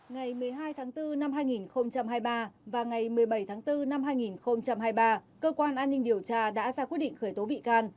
ngày một mươi hai tháng bốn năm hai nghìn hai mươi ba và ngày một mươi bảy tháng bốn năm hai nghìn hai mươi ba cơ quan an ninh điều tra đã ra quyết định khởi tố bị can